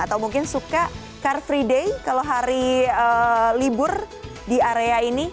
atau mungkin suka car free day kalau hari libur di area ini